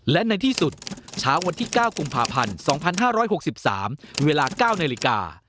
และในที่สุดเช้าวันที่๙กุมภาพันธ์๒๕๖๓เวลา๙นาฬิกา